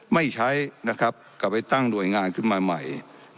ไม่ใช้นะครับกลับไปตั้งหน่วยงานขึ้นมาใหม่